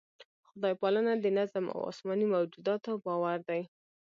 خدای پالنه د نظم او اسماني موجوداتو باور دی.